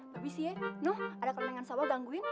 tapi sih ya noh ada kandangan sawah gangguin